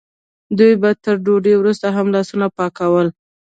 دوی به تر ډوډۍ وروسته هم لاسونه پاکول.